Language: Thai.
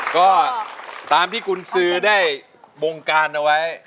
ก็ตามที่กุญสือได้บงการเอาไว้